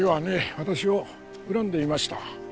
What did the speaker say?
私を恨んでいました。